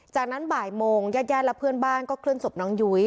จากนั้นบ่ายโมงญาติญาติและเพื่อนบ้านก็เคลื่อนศพน้องยุ้ย